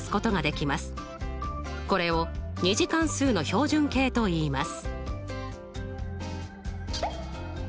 これを２次関数の標準形といいます。